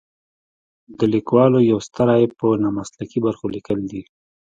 د لیکوالو یو ستر عیب په نامسلکي برخو لیکل دي.